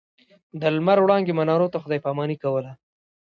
د لمر وړانګې منارو ته خداې پا ماني کوله.